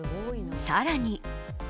更に。